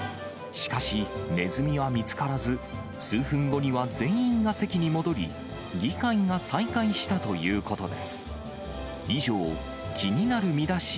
しかし、ネズミは見つからず、数分後には全員が席に戻り、議会が再開したということです。